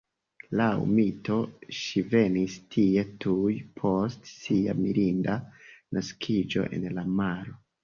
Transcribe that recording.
Laŭ mito, ŝi venis tie tuj post sia mirinda naskiĝo el la maro.